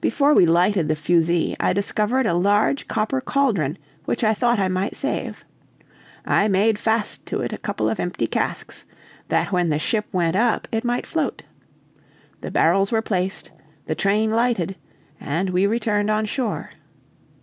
Before we lighted the fusee, I discovered a large copper cauldron which I thought I might save. I made fast to it a couple of empty casks, that when the ship went up it might float. The barrels were placed, the train lighted, and we returned on shore.